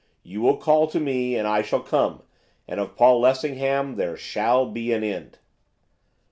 You will call to me, and I shall come, and of Paul Lessingham there shall be an end.